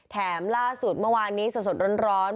ล่าสุดเมื่อวานนี้สดร้อน